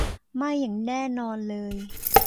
ไม่อย่างแน่นอนเลย